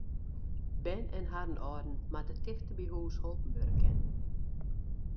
Bern en harren âlden moatte tichteby hús holpen wurde kinne.